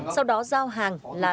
sau đó giao hàng là